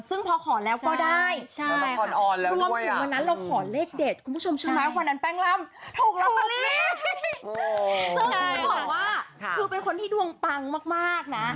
น้องแป้งร่ำบอกว่าเค้าเป็นคนที่ดวงปังมาก